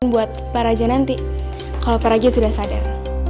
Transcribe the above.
buat pak raja nanti kalau pak raja sudah sadar